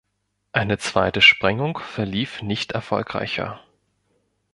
Eine zweite Sprengung verlief nicht erfolgreicher.